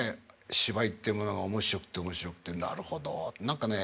芝居っていうものが面白くて面白くてなるほど何かね